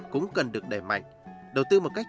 cũng cần được đẩy mạnh đầu tư một cách